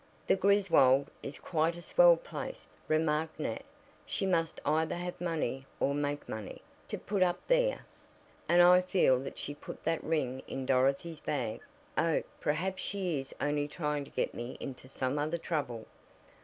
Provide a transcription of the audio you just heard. "The Griswold is quite a swell place," remarked Nat. "She must either have money, or make money, to put up there." "And I feel that she put that ring in Dorothy's bag. Oh, perhaps she is only trying to get me into some other trouble."